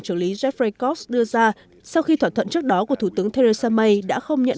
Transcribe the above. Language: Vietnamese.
chủ lý jefraikovs đưa ra sau khi thỏa thuận trước đó của thủ tướng theresa may đã không nhận